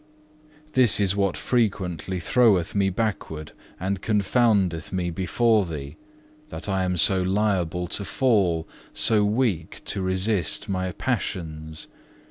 This is what frequently throweth me backward and confoundeth me before Thee, that I am so liable to fall, so weak to resist my passions.